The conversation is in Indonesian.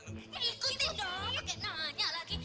ikuti dong pakai nanya lagi